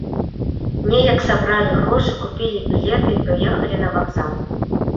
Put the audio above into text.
Неяк сабралі грошы, купілі білеты і прыехалі на вакзал.